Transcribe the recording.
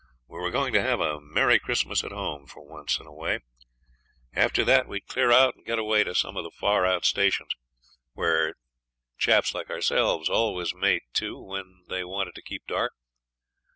We were going to have a merry Christmas at home for once in a way. After that we would clear out and get away to some of the far out stations, where chaps like ourselves always made to when they wanted to keep dark.